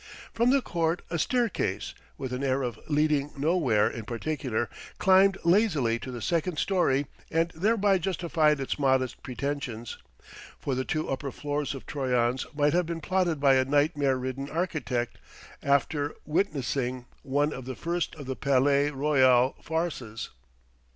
From the court a staircase, with an air of leading nowhere in particular, climbed lazily to the second storey and thereby justified its modest pretensions; for the two upper floors of Troyon's might have been plotted by a nightmare ridden architect after witnessing one of the first of the Palais Royal farces.